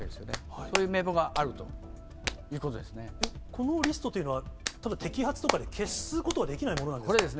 そういこのリストというのは、摘発とかで消すことはできないものなんですか。